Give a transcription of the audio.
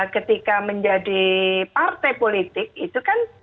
ketika menjadi partai politik itu kan